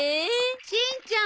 しんちゃん！